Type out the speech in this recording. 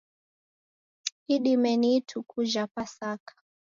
Idime ni ituku jha pasaka